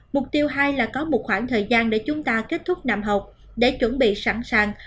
mục tiêu hai là có một khoảng thời gian để chúng ta kết thúc năm học để chuẩn bị sẵn sàng